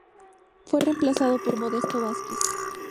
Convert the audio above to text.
Fue reemplazado por Modesto Vázquez.